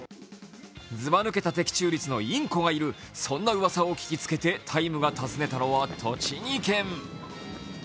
ずば抜けた的中率のインコがいる、そんなうわさを聞きつけて、「ＴＩＭＥ，」が訪ねたのは栃木県。